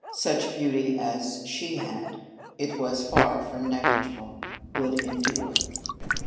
Such beauty as she had, and it was far from negligible, would endure.